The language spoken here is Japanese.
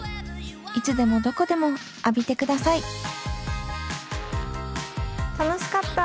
いつでもどこでも浴びてください楽しかった。